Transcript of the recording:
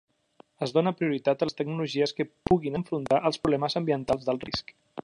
Es dóna prioritat a les tecnologies que puguin enfrontar els problemes ambientals d'alt risc.